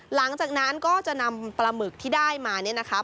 หลังจากนั้นก็จะนำปลาหมึกที่ได้มาเนี่ยนะคะ